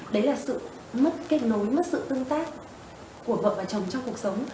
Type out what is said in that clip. đấy là sự mất kết nối mất sự tương tác của vợ và chồng trong cuộc sống